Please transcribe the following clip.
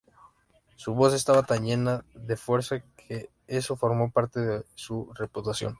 Su voz estaba tan llena de fuerza que eso formó parte de su reputación.